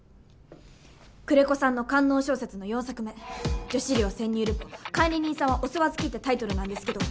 久連木さんの官能小説の４作目『女子寮潜入ルポ管理人さんはお世話好き』ってタイトルなんですけど。